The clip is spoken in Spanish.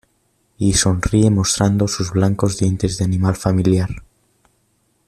y sonríe mostrando sus blancos dientes de animal familiar.